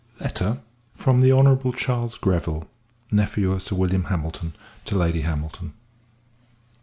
Letter FROM THE HONOURABLE CHARLES GREVILLE, Nephew of Sir William Hamilton, TO LADY HAMILTON.